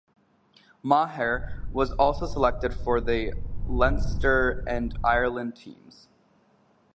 Maher was also selected for the Leinster and Ireland teams.